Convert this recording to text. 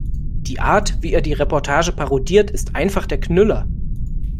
Die Art, wie er die Reportage parodiert, ist einfach der Knüller!